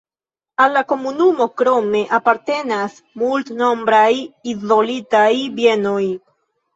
Al la komunumo krome apartenas multnombraj izolitaj bienoj.